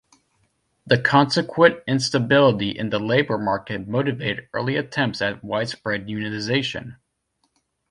The consequent instability in the labor market motivated early attempts at widespread unionization.